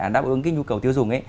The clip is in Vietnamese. đáp ứng cái nhu cầu tiêu dùng